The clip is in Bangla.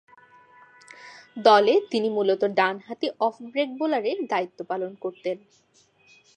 দলে তিনি মূলতঃ ডানহাতি অফ ব্রেক বোলারের দায়িত্ব পালন করতেন।